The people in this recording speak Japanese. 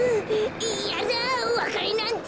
いやだおわかれなんて。